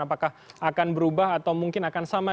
apakah akan berubah atau mungkin akan sama